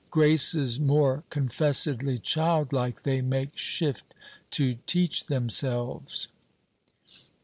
Graces more confessedly childlike they make shift to teach themselves.